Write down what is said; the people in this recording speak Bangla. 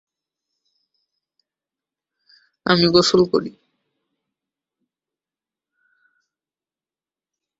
জৈনদের মতে, পৃথিবীতে যত সংখ্যক বস্ত্ত আছে, ঠিক ততো সংখ্যক আত্মাও আছে।